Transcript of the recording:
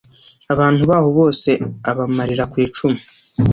abantu baho bose abamarira ku icumu